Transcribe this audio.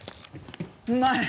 うまい！